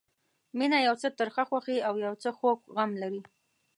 مینه یو څه ترخه خوښي او یو څه خوږ غم لري.